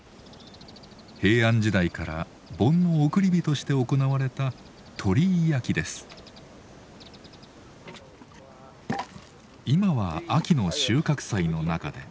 平安時代から盆の送り火として行われた今は秋の収穫祭の中で。